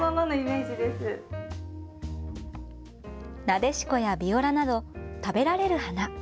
ナデシコやビオラなど食べられる花。